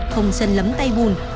không chân lấm tay buồn